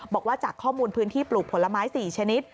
บอกว่าจากข้อมูลพื้นที่ปลูกผลไม้๔ชนิด